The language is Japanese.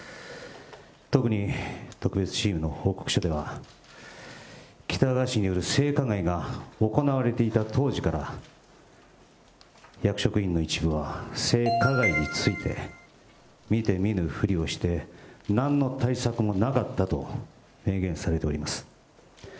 特に特別チームの報告書では、喜多川氏による性加害が行われていた当時から、役職員の一部は、性加害について、見て見ぬふりをして、なんの対策もなかったと提言されております。